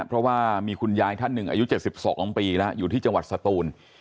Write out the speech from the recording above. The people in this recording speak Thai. เพราะว่ามีคุณยายท่านหนึ่งอายุ๗๒ปีแล้วอยู่ที่จังหวัดสตูน